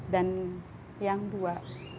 dan yang dua